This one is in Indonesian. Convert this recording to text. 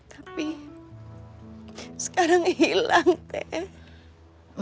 tapi sekarang hilang tete